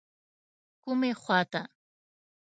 کومې خواته.